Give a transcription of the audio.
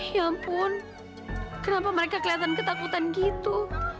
ya ampun kenapa mereka kelihatan ketakutan gitu